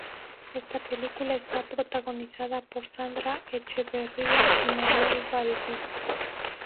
Esta película está protagonizada por Sandra Echeverría y Manuel Balbi.